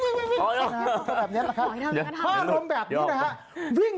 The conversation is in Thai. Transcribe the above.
วิ่งวิ่งวิ่งวิ่ง